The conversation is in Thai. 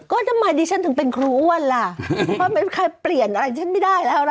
ก็ทำไมดิฉันถึงเป็นครูอ้วนล่ะเพราะเป็นใครเปลี่ยนอะไรฉันไม่ได้แล้วนะ